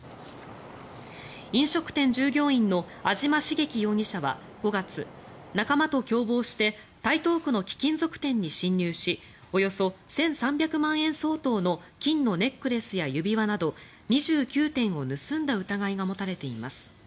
飲食店従業員の安島茂樹容疑者は５月仲間と共謀して台東区の貴金属店に侵入しおよそ１３００万円相当の金のネックレスや指輪など２９点を盗んだ疑いが持たれています。